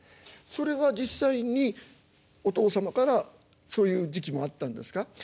それは実際にお父様からそういう時期もあったんですか？